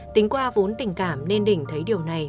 tính qua vốn tình cảm nên đỉnh thấy điều này